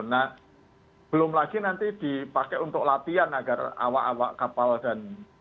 nah belum lagi nanti dipakai untuk latihan agar awak awak kapal dan